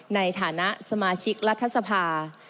ในฐานะสมาชิกรัฐสภา